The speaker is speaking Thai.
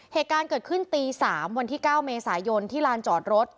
เหตุการณ์เกิดขึ้นตี๓วันที่๙เมษายนที่ลานจอดรถ